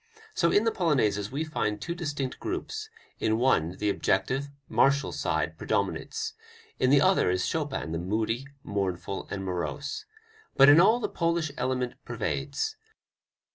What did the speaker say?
So in the polonaises we find two distinct groups: in one the objective, martial side predominates, in the other is Chopin the moody, mournful and morose. But in all the Polish element pervades.